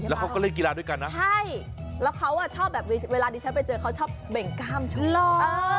แล้วเขาก็เล่นกีฬาด้วยกันนะใช่แล้วเขาชอบแบบเวลาดิฉันไปเจอเขาชอบเบ่งกล้ามชะโลก